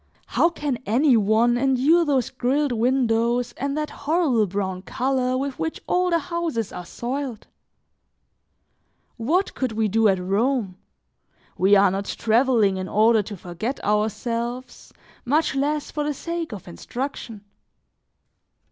How can any one endure those grilled windows and that horrible brown color with which all the houses are soiled? What could we do at Rome? We are not traveling in order to forget ourselves, much less for the sake of instruction.